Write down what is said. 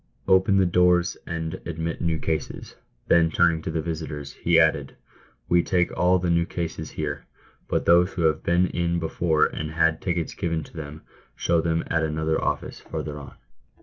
" Open the doors and admit new cases." Then, turning to the visitors, he added, " We take all the new cases here ; but those who have been in before and had tickets given to them, show them at another office farther on."